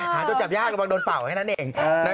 หาตัวจับยากระวังโดนเป่าแค่นั้นเอง